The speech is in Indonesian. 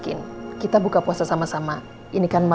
kita kalau cumanrock atos muka kayanya presmi